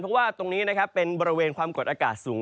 เพราะว่าตรงนี้นะครับเป็นบริเวณความกดอากาศสูง